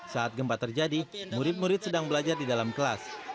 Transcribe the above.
saat gempa terjadi murid murid sedang belajar di dalam kelas